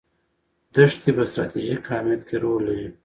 دښتې په ستراتیژیک اهمیت کې رول لري.